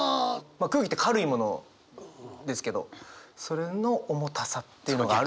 空気って軽いものですけどそれの重たさっていうのがある。